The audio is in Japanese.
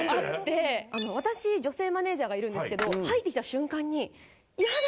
私女性マネージャーがいるんですけど入ってきた瞬間に「イヤだ！